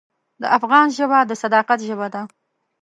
د افغان ژبه د صداقت ژبه ده.